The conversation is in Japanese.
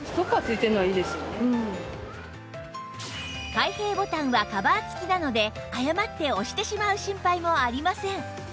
開閉ボタンはカバー付きなので誤って押してしまう心配もありません